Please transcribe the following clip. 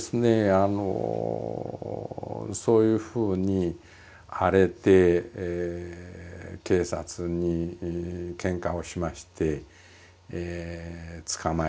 あのそういうふうに荒れて警察にケンカをしまして捕まえられましてね。